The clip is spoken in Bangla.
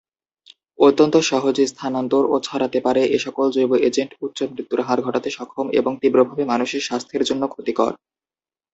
অত্যন্ত সহজে স্থানান্তর ও ছড়াতে পারে এসকল জৈব এজেন্ট উচ্চ মৃত্যুর হার ঘটাতে সক্ষম এবং তীব্রভাবে মানুষের স্বাস্থ্যের জন্য ক্ষতিকর।